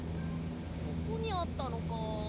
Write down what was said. そこにあったのか。